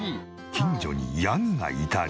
近所にヤギがいたり。